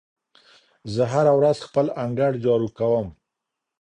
زه هره ورځ خپل انګړ جارو کوم.